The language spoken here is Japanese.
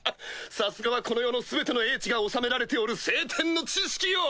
さすがはこの世の全ての叡智が収められておる聖典の知識よ！